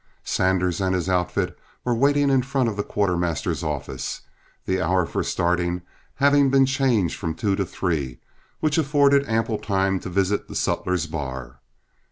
Sanders and his outfit were waiting in front of the quartermaster's office, the hour for starting having been changed from two to three, which afforded ample time to visit the sutler's bar.